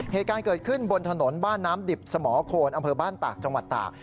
เหตุการณ์เกิดขึ้นบนถนนบ้านน้ำดิบสมโคนอำเภอบ้านตากจังหวัดตาก